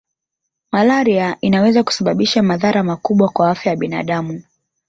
Malaria inaweza kusababisha madhara makubwa kwa afya ya binadamu